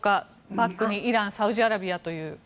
バックにイランサウジアラビアという。